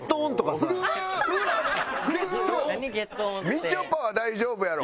みちょぱは大丈夫やろ。